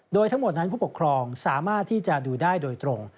โดยทั้งหมดนั้นผู้ปกครองสามารถที่จะดูได้โดยตรง